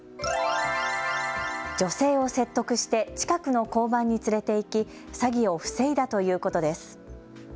女性を説得して近くの交番に連れて行き詐欺を防いだということです。